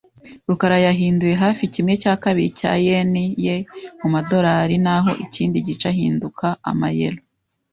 rukara yahinduye hafi kimwe cya kabiri cya yen ye mu madorari naho ikindi gice ahinduka amayero .